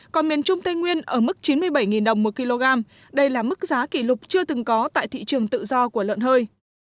còn miền trung tây nguyên ở mức chín mươi bảy đồng một kg đây là mức giá kỷ lục chưa từng có tại thị trường tự do của lợn hơi